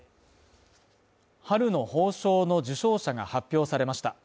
春の褒章の受章者が発表されました。